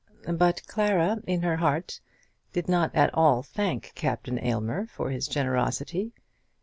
But Clara, in her heart, did not at all thank Captain Aylmer for his generosity.